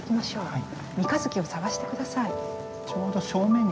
はい。